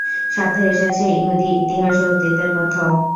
সাথে এসেছে ইহুদি ইতিহাস ও অতীতের কথাও।